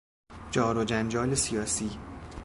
جار و جنجال سیاسی